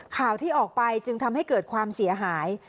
ข่าวที่ออกไปจึงทำให้เกิดความเสียหาย